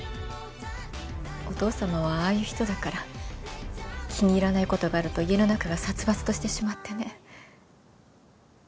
お父さまはああいう人だから気に入らないことがあると家の中が殺伐としてしまってね。